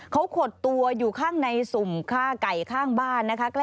เขาขดตัวอยู่ข้างในสุ่มฆ่าไก่ข้างบ้านนะคะ